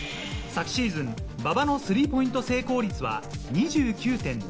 昨シーズン、馬場のスリーポイント成功率は２９．７％。